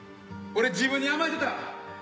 俺自分に甘えてた。